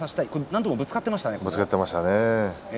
何度もぶつかっていましたね。